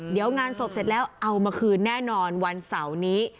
เดี๋ยวงานศพเสร็จแล้วเอามาคืนแน่นอนวันเสาร์นี้